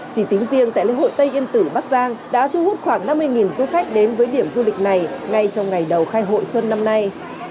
chỉ tính riêng tại lễ hội tây yên tử bắc giang đã thu hút khoảng năm mươi du khách đến với điểm du lịch này ngay trong ngày đầu khai hội xuân năm nay